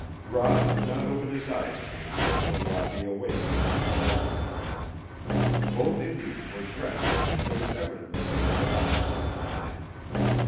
Rod did not open his eyes again until Wabi awakened him in the morning. Both Indians were dressed and it was evident that they had been up for some time.